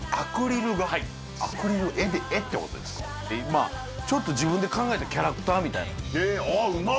まあちょっと自分で考えたキャラクターみたいなへえあっうまっ！